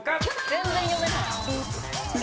全然読めない。